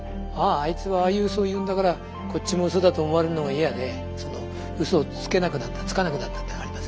あいつはああいうウソを言うんだからこっちもウソだと思われるのが嫌でウソをつけなくなったつかなくなったっていうのはあります。